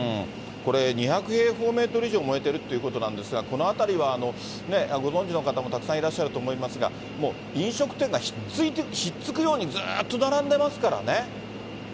これ、２００平方メートル以上燃えてるっていうことなんですが、この辺りは、ご存じの方もたくさんいらっしゃると思いますが、もう飲食店が引っ付くようにずっと並んでますからね。